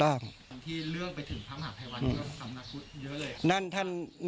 ตอนที่เรื่องไปถึงพระมหาภัยวันก็สำนักพุทธเยอะเลย